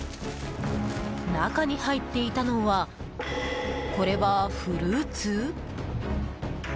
中に入っていたのはこれはフルーツ？